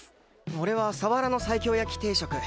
俺は鰆の西京焼き定食。